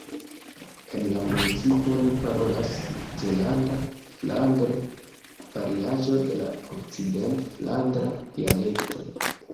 En la municipo oni parolas zelanda-flandre, variaĵo de la okcident-flandra dialekto.